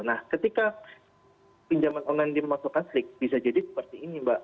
nah ketika pinjaman online dimasukkan slik bisa jadi seperti ini mbak